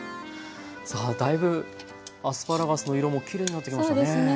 さあだいぶアスパラガスの色もきれいになってきましたね。